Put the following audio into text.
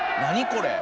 これ。